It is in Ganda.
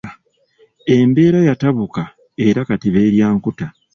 Embeera yatabuka era kati beerya nkuta.